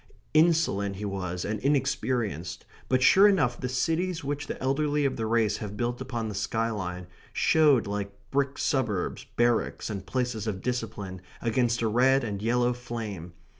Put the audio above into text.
Insolent he was and inexperienced, but sure enough the cities which the elderly of the race have built upon the skyline showed like brick suburbs, barracks, and places of discipline against a red and yellow flame.